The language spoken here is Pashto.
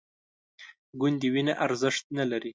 ګوندې وینه ارزښت نه لري